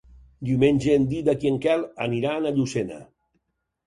Diumenge en Dídac i en Quel aniran a Llucena.